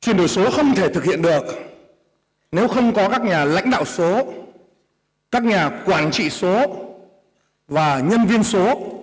chuyển đổi số không thể thực hiện được nếu không có các nhà lãnh đạo số các nhà quản trị số và nhân viên số